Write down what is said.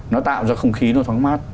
nó tạo ra không khí nó thoáng mát